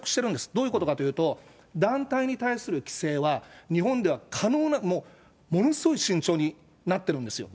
どういうことかというと、団体に対する規制は、日本では可能な、ものすごい慎重になってるんですよ。